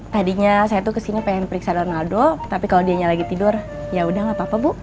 tadinya saya tuh kesini pengen periksa ronaldo tapi kalau dianya lagi tidur yaudah gak apa apa bu